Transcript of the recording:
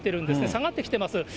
下がってきてます。